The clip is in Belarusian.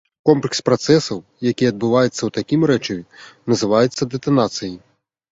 Комплекс працэсаў, які адбываецца ў такім рэчыве, называецца дэтанацыяй.